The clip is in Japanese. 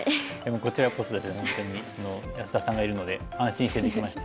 こちらこそ本当に安田さんがいるので安心してできました。